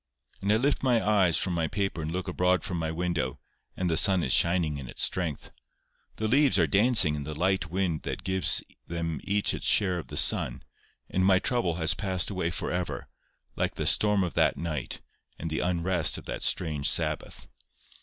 And I lift my eyes from my paper and look abroad from my window, and the sun is shining in its strength. The leaves are dancing in the light wind that gives them each its share of the sun, and my trouble has passed away for ever, like the storm of that night and the unrest of that strange Sabbath.